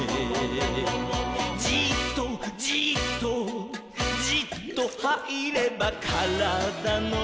「じっとじっとじっとはいればからだの」